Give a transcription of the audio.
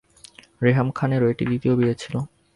রেহাম খানেরও এটি দ্বিতীয় বিয়ে ছিল।